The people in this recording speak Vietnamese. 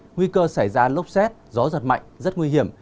nguy cơ xảy ra lốc xét gió giật mạnh rất nguy hiểm